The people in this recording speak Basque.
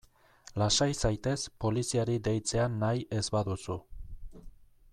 Lasai zaitez poliziari deitzea nahi ez baduzu.